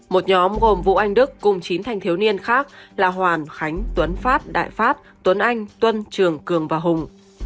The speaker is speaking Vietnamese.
một nhóm gồm vũ anh đức cùng chín thanh thiếu niên khác là hoàn khánh tuấn phát đại pháp tuấn anh tuân trường cường và hùng